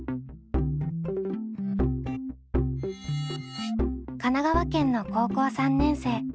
神奈川県の高校３年生みゆみゆ。